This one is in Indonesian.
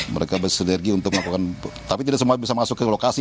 mereka bersinergi untuk melakukan tapi tidak semua bisa masuk ke lokasi